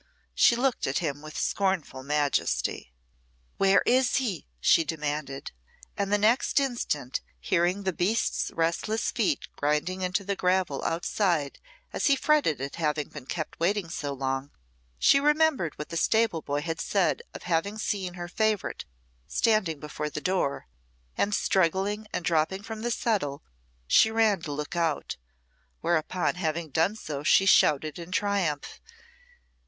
She looked at him with scornful majesty. "Where is he?" she demanded. And the next instant hearing the beast's restless feet grinding into the gravel outside as he fretted at having been kept waiting so long, she remembered what the stable boy had said of having seen her favourite standing before the door, and struggling and dropping from the settle, she ran to look out; whereupon having done so, she shouted in triumph.